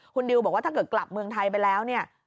คุณดิวบอกว่าถ้าเกิดกลับเมืองไทยไปแล้วเนี่ย